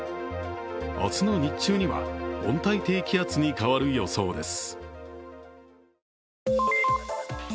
明日の日中には温帯低気圧に変わる予想です。